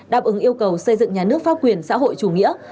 đáp ứng yêu cầu xây dựng nhà nước pháp quyền xã hội chủ nghĩa